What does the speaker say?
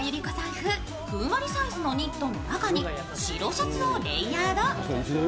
風、ふんわりサイズのニットの中に白シャツをレイヤード。